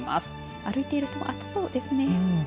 歩いている人も暑そうですね。